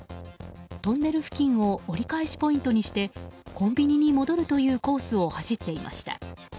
トンネル付近を折り返しポイントにしてコンビニに戻るというコースを走っていました。